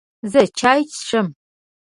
زه چای څښم